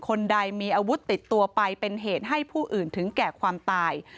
คนใดมีอาวุธติดตัวไปเป็นเหตุให้ผู้อื่นถึงแก่ความตาย